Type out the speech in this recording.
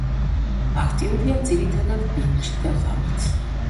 აქტიურია ძირითადად ბინდში და ღამით.